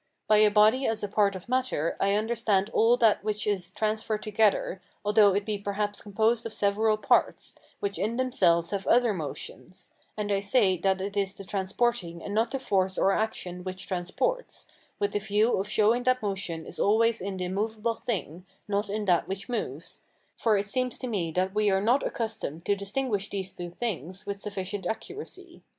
By a body as a part of matter, I understand all that which is transferred together, although it be perhaps composed of several parts, which in themselves have other motions; and I say that it is the transporting and not the force or action which transports, with the view of showing that motion is always in the movable thing, not in that which moves; for it seems to me that we are not accustomed to distinguish these two things with sufficient accuracy.